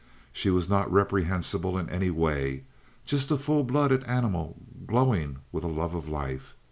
She was not reprehensible in any way—just a full blooded animal glowing with a love of life.